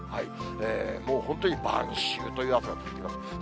もう本当に晩秋という朝がやって来ます。